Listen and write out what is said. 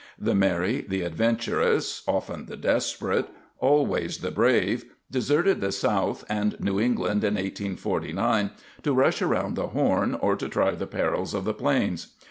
The merry, the adventurous, often the desperate, always the brave, deserted the South and New England in 1849 to rush around the Horn or to try the perils of the plains.